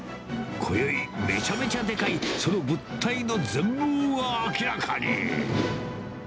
こよい、めちゃめちゃでかいその物体の全貌が明らかに。